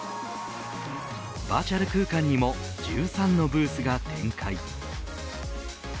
バーチャル空間にも１３のブースが展開。